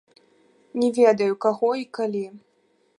Не ведаю, каго і калі.